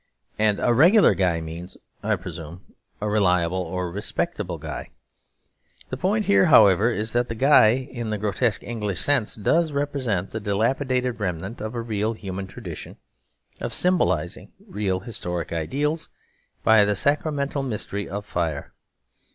And a regular guy means, I presume, a reliable or respectable guy. The point here, however, is that the guy in the grotesque English sense does represent the dilapidated remnant of a real human tradition of symbolising real historic ideals by the sacramental mystery of fire.